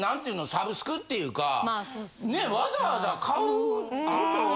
サブスクっていうかねぇわざわざ買う事は。